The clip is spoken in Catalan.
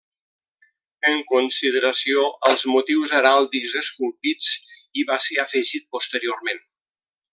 En consideració als motius heràldics esculpits, hi va ser afegit posteriorment.